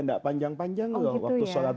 tidak panjang panjang loh waktu sholat